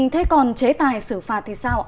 thế còn chế tài xử phạt thì sao